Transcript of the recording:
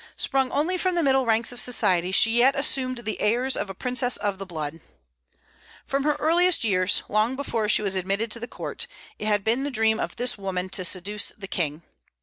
Sprung only from the middle ranks of society, she yet assumed the airs of a princess of the blood. From her earliest years, long before she was admitted to the court, it had been the dream of this woman to seduce the King.